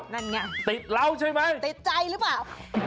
นั่นไงติดเหล้าใช่ไหมติดใจหรือเปล่า